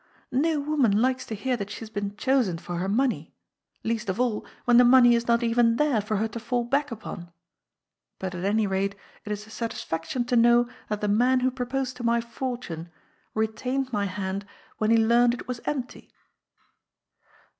No woman likes to hear that she has been chosen for her money. Least of all, when the money is not even there for her to fall back upon. But, at any rate, it is a satisfaction to know that the man who proposed to my fortune, retained my hand, when he learned it was empty."